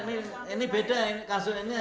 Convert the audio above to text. ini beda kasusnya